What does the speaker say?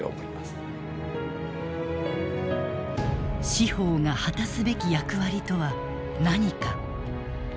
司法が果たすべき役割とは何か。